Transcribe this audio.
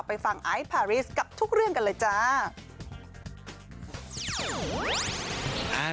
ไปฟังไอซ์พาริสกับทุกเรื่องกันเลยจ้า